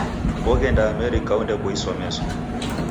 Oghenda Amerika ondeboiswa meso.